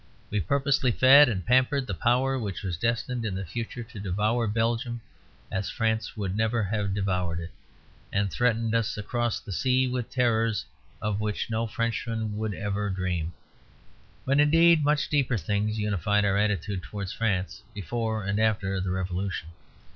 We purposely fed and pampered the power which was destined in the future to devour Belgium as France would never have devoured it, and threaten us across the sea with terrors of which no Frenchman would ever dream. But indeed much deeper things unified our attitude towards France before and after the Revolution.